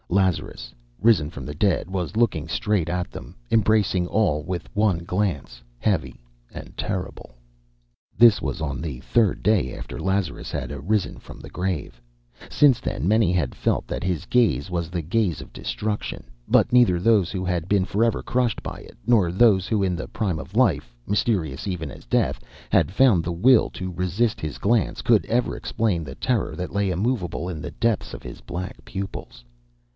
Lazarus, risen from the dead, was looking straight at them, embracing all with one glance, heavy and terrible. This was on the third day after Lazarus had arisen from the grave. Since then many had felt that his gaze was the gaze of destruction, but neither those who had been forever crushed by it, nor those who in the prime of life (mysterious even as death) had found the will to resist his glance, could ever explain the terror that lay immovable in the depths of his black pupils.